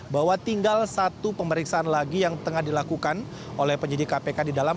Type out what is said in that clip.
bahwa tinggal satu pemeriksaan lagi yang tengah dilakukan oleh penyidik kpk di dalam